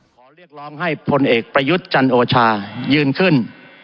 ขอเรียกร้องให้พลเอกประยุทธ์จันโอชายืนขึ้น